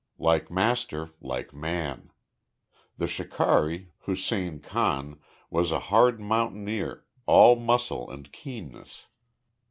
Like master like man. The shikari, Hussein Khan, was a hard mountaineer, all muscle and keenness.